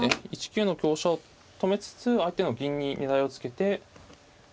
１九の香車を止めつつ相手の銀に狙いをつけて。